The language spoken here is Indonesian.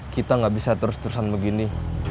kita nggak bisa terus terusan begini